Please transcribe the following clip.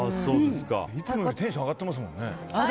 いつもよりテンション上がってますもんね。